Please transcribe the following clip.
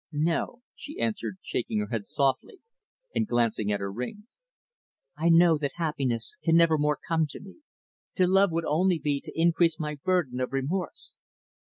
"No," she answered, shaking her head sadly, and glancing at her rings. "I know that happiness can never more come to me. To love would only be to increase my burden of remorse."